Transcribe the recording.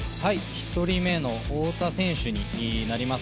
１人目の太田選手になります。